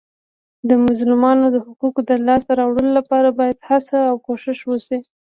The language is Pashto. د مظلومانو د حقوقو د لاسته راوړلو لپاره باید هڅه او کوښښ وسي.